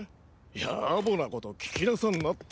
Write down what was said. やぼなこと聞きなさんなって。